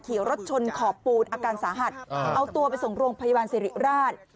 ขี่รถชนขอบปูนอาการสาหัสเอาตัวไปส่งโรงพยาบาลสิริราช